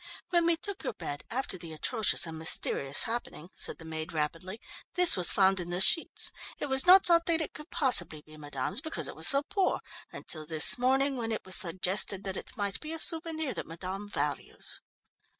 "When we took your bed, after the atrocious and mysterious happening," said the maid rapidly, "this was found in the sheets. It was not thought that it could possibly be madame's, because it was so poor, until this morning when it was suggested that it might be a souvenir that madame values."